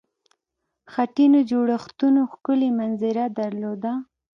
خټینو جوړښتونو ښکلې منظره درلوده.